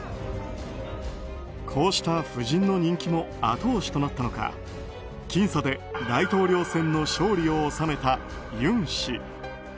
こうした夫人の人気も後押しとなったのか僅差で大統領選の勝利を収めた尹氏。